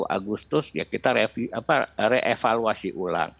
dua puluh satu agustus ya kita reevaluasi ulang